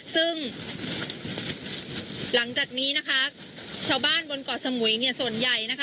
ซึ่งหลังจากนี้นะคะชาวบ้านบนเกาะสมุยเนี่ยส่วนใหญ่นะคะ